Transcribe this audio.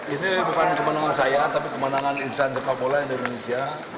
ini bukan kemenangan saya tapi kemenangan insan sepak bola indonesia